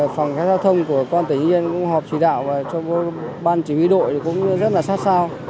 phòng cảnh giao thông của con tỉnh yên cũng họp chỉ đạo cho ban chỉ huy đội cũng rất là sát sao